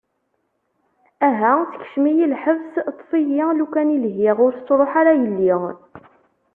Aha sekcem-iyi lḥebs, ṭfet-iyi, lukan i lhiɣ ur tettruḥu ara yelli.